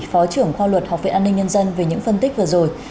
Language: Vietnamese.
phó trưởng khoa luật học viện an ninh nhân dân về những phân tích vừa rồi